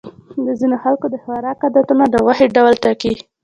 د ځینو خلکو د خوراک عادتونه د غوښې ډول ټاکي.